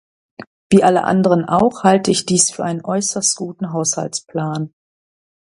Wie alle anderen auch halte ich dies für einen äußerst guten Haushaltsplan.